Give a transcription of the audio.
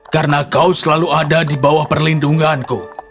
karena kau selalu ada di bawah perlindunganku